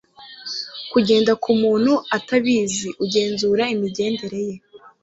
kugenda ku muntu atabizi, ugenzure imigendere ye